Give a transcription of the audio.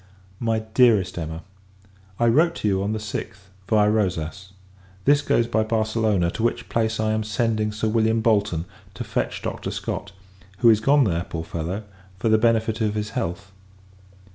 MY DEAREST EMMA, I wrote to you, on the 6th, viâ Rosas: this goes by Barcelona; to which place I am sending Sir William Bolton, to fetch Dr. Scott, who is gone there, poor fellow, for the benefit of his health!